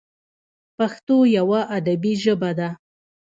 پښتو یوه ادبي ژبه ده.